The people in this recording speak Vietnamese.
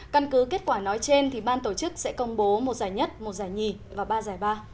căn cứ kết quả nói trên ban tổ chức sẽ công bố một giải nhất một giải nhì và ba giải ba